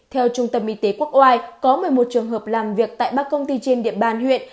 theo trung tâm y tế quốc oai có một mươi một trường hợp làm việc tại ba công ty trên địa bàn huyện